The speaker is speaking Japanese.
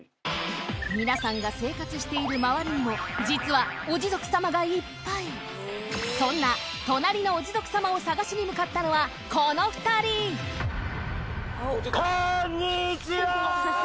皆さんが生活している周りにも実はおジゾク様がいっぱいそんな隣のおジゾク様を探しに向かったのはこの２人こんにちは！